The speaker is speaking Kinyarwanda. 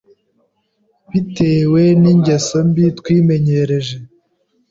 Bitewe n’ingeso mbi twimenyereje,